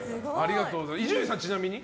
伊集院さんはちなみに？